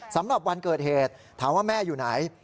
สำหรับวันเกิดเหตุถามว่าแม่อยู่ไหน